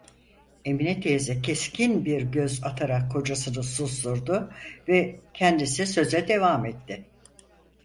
Emine teyze keskin bir göz atarak kocasını susturdu ve kendisi söze devam etti: